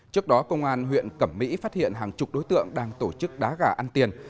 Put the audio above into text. trước đó công an huyện cẩm mỹ phát hiện hàng chục đối tượng đang tổ chức đá gà ăn tiền